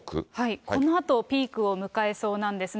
このあとピークを迎えそうなんですね。